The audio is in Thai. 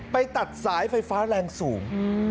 ไปตัดสายไฟฟ้าแรงสูง